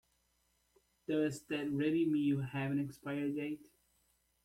Does that ready meal have an expiry date?